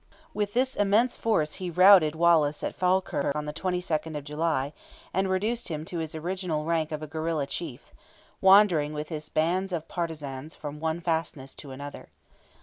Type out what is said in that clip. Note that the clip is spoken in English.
With this immense force he routed Wallace at Falkirk on the 22nd of July, and reduced him to his original rank of a guerilla chief, wandering with his bands of partizans from one fastness to another.